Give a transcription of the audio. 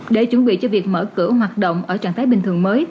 để chuẩn bị cho việc mở cửa hoạt động ở trạng thái bình thường mới